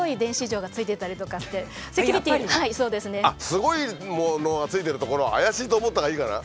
すごいものがついてる所は怪しいと思ったほうがいいかな。